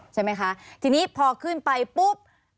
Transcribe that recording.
ใช่ไหมคะทีนี้พอขึ้นไปปุ๊บ